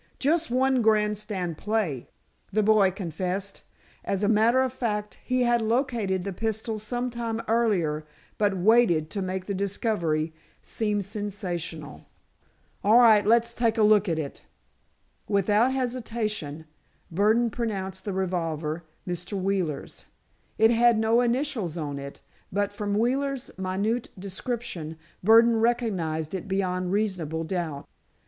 "Just one grandstand play," the boy confessed. As a matter of fact, he had located the pistol sometime earlier, but waited to make the discovery seem sensational. "All right; let's take a look at it." Without hesitation, Burdon pronounced the revolver Mr. Wheeler's. It had no initials on it, but from Wheeler's minute description, Burdon recognized it beyond reasonable doubt.